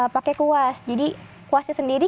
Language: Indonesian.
pakai kuas jadi kuasnya sendiri